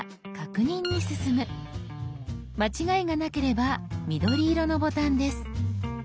間違いがなければ緑色のボタンです。